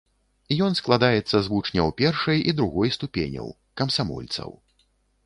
Ён складаецца з вучняў першай і другой ступеняў, камсамольцаў.